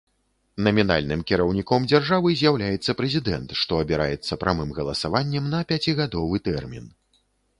Намінальным кіраўніком дзяржавы з'яўляецца прэзідэнт, што абіраецца прамым галасаваннем на пяцігадовы тэрмін.